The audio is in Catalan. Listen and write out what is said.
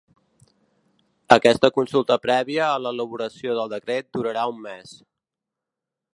Aquesta consulta prèvia a l’elaboració del decret durarà un mes.